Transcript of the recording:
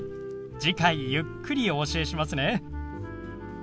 次回ゆっくりお教えしますね。